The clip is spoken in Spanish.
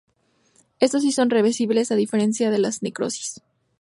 Estos sí son reversibles a diferencia de la necrosis.